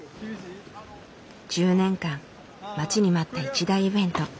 １０年間待ちに待った一大イベント。